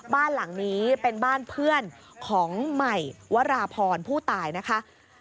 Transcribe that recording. บ้านหลังนี้เป็นบ้านเพื่อนของใหม่วราพรผู้ตายนะคะ